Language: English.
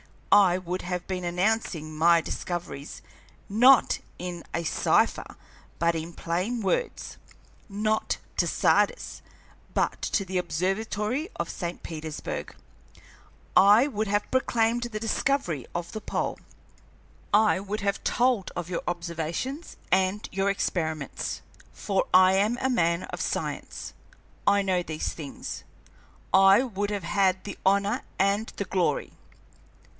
I would have been announcing my discoveries, not in a cipher, but in plain words; not to Sardis, but to the Observatory at St. Petersburg. I would have proclaimed the discovery of the pole, I would have told of your observations and your experiments; for I am a man of science, I know these things. I would have had the honor and the glory.